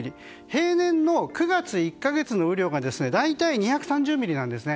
平年の９月の１か月の雨量が大体２３０ミリなんですね。